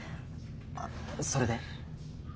あそれで？